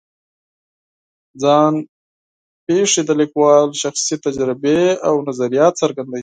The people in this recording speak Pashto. ځان پېښې د لیکوال شخصي تجربې او نظریات څرګندوي.